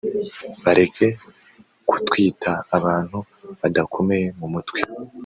bareke kutwita abantu badakomeye mu mutwe